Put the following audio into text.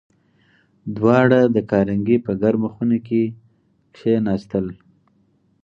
دواړه د کارنګي په ګرمه خونه کې کېناستل